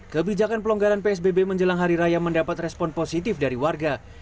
kebijakan pelonggaran psbb menjelang hari raya mendapat respon positif dari warga